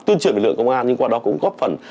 tuyên truyền lực lượng công an nhưng qua đó cũng góp phần